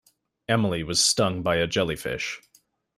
Emily was stung by a jellyfish.